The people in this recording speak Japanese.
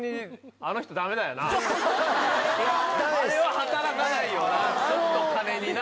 あれは働かないよな。